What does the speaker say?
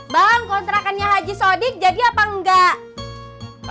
bang kontrakannya haji sodik jadi apa enggak